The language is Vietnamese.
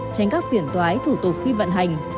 tránh các phiền toái thủ tục khi vận hành